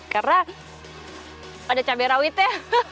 karena ada cabai rawitnya